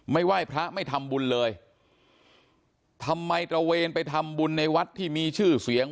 ไหว้พระไม่ทำบุญเลยทำไมตระเวนไปทำบุญในวัดที่มีชื่อเสียง